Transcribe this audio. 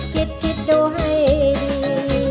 คิดคิดดูให้ดี